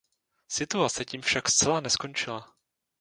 Situace tím však zcela neskončila.